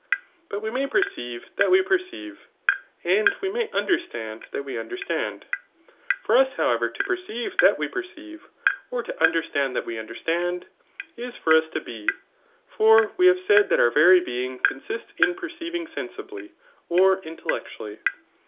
But we may perceive that ^e perceive, and we may understand that we under stand. For us, however, to perceive that we perceive or to understand that we understand, is for us to be j for we have said that our very being consists in perceiving sen iubly or intellectually.